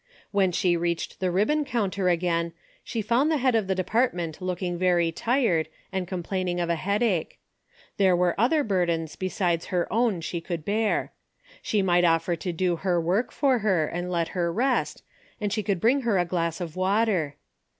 When she reached the ribbon counter again, she found the head of the department looking very tired, and complaining of a headache. There were other burdens besides her own she could bear. She might offer to do her work for her and let her rest, and she could bring her a glass of water.